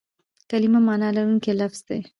کلیمه مانا لرونکی لفظ دئ.